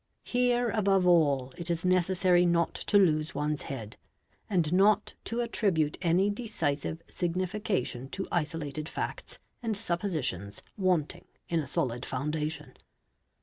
Here above all it is necessary not to lose one's head and not to attribute any decisive signification to isolated facts and suppositions wanting in a solid foundation.